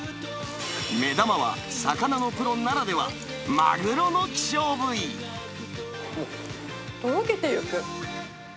目玉は魚のプロならでは、マグロとろけていく。